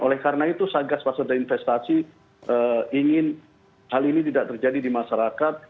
oleh karena itu sagas pasar dan investasi ingin hal ini tidak terjadi di masyarakat